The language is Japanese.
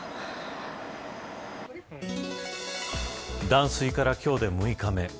断水から今日で６日目。